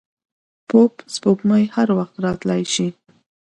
پوپ سپوږمۍ هر وخت راتلای شي.